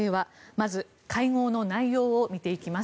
まず、会合の内容を見ていきます。